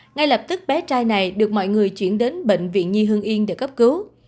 ngay lập tức bé trai này được mọi người chuyển đến bệnh viện nhi hương yên để cấp cứu